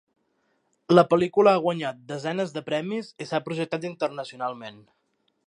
La pel·lícula ha guanyat desenes de premis i s'ha projectat internacionalment.